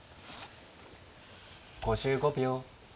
５５秒。